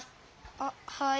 あっはい。